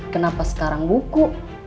kenapa sekarang buku